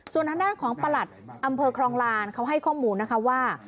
ส่วนทางด้านของประหลัดอำเภอครองลานเขาให้ข้อมูลนะคะว่า